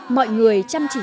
mọi người chăm chỉ kỹ